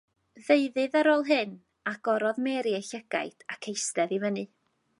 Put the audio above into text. Ddeuddydd ar ôl hyn, agorodd Mary ei llygaid ac eistedd i fyny.